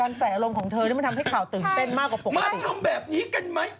การแสภโลงของเธอที่มันทำให้ข่าวตื่นเต้นมากกว่าปกติ